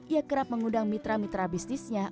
ia kerap mengundang mitra mitra bisnisnya